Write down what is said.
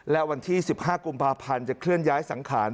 และวันที่๑๕กุมภาพันธ์จะเคลื่อนย้ายสังขาร